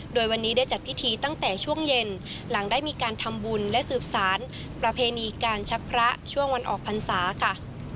โดยวันนี้ได้จัดพิธีตั้งแต่ช่วงเย็นหลังได้มีการทำบุญและสืบสารประเพณีการชักพระช่วงวันออกพรรษาค่ะ